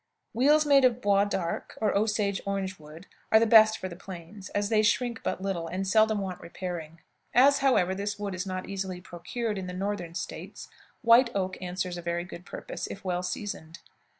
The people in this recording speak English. Wheels made of the bois d'arc, or Osage orange wood, are the best for the plains, as they shrink but little, and seldom want repairing. As, however, this wood is not easily procured in the Northern States, white oak answers a very good purpose if well seasoned.